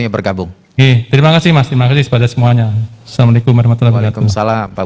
baik terima kasih assalamualaikum wr wb